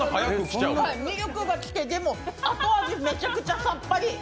ミルクが来て、でも後味めちゃくちゃさっぱり。